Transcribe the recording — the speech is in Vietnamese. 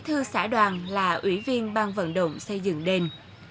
thưa xã đoàn là ủy viên bang vận động xây dựng đền